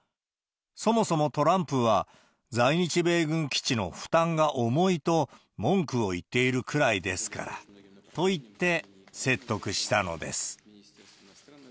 そもそもトランプは、在日米軍基地の負担が重いと、文句を言っているくらいですから、と言って説得したのです。